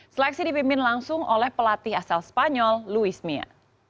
seleksi dipimpin langsung oleh pelatih asal spanyol luis mia